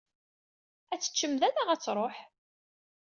Ad tt-teččem da neɣ ad tṛuḥ?